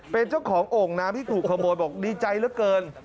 เป็นเจ้าของโอ่งน้ำที่ถูกขโมยบอกดีใจเหลือเกิน